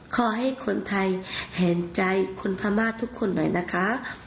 ขอให้คนไทยเห็นใจคนพม่าทุกคนหน่อยนะคะ